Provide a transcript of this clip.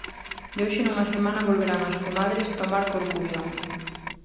De hoxe nunha semana volverán as comadres tomar Corcubión.